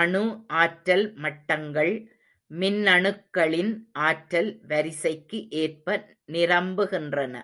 அணு ஆற்றல் மட்டங்கள் மின்னணுக்களின் ஆற்றல் வரிசைக்கு ஏற்ப நிரம்புகின்றன.